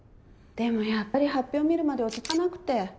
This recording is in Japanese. でもやっぱり発表を見るまで落ち着かなくて。